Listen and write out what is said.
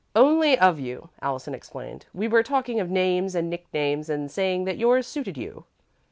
"Only of you," Allison explained. "We were talking of names and nicknames and saying that yours suited you."